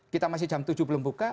kita masih jam tujuh belum buka